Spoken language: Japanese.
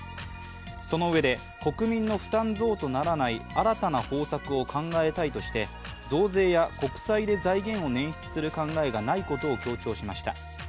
そのうえで、国民の負担増とならない新たな方策を考えたいとして増税や国債で財源を捻出する考えがないことを強調しました。